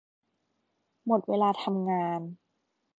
หมดเวลาทำงาน